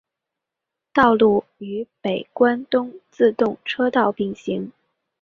道路与北关东自动车道并行。